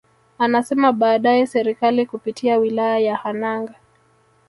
Anasema baadaye Serikali kupitia Wilaya ya Hanang